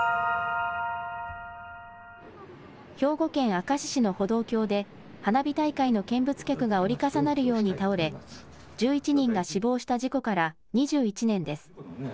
兵庫県明石市の歩道橋で花火大会の見物客が折り重なるように倒れ１１人が死亡した事故から２１年です。